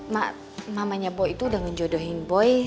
ma mamanya boy itu udah ngejodohin boy